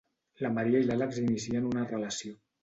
La Maria i l'Àlex inicien una relació.